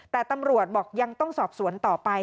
แต่ตำรวจบอกยังต้องสอบสวนต่อไป